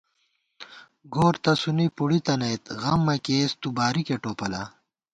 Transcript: گور تسُونی پُڑی تَنئیت، غم مہ کېئیس، تُو بارِکےٹوپلا